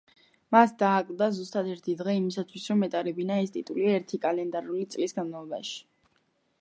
მას დააკლდა ზუსტად ერთი დღე იმისათვის, რომ ეტარებინა ეს ტიტული ერთი კალენდარული წლის განმავლობაში.